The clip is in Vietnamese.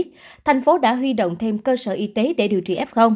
thành phố đã huy động thêm cơ sở y tế để điều trị f